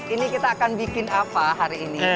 ini kita akan bikin apa hari ini